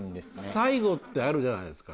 最期ってあるじゃないですか。